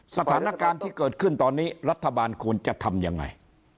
สถานการณ์ที่เกิดขึ้นตอนนี้รัฐบาลควรจะทำยังไง